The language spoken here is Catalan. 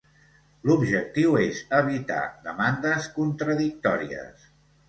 L'objectiu és evitar demandes contradictòries.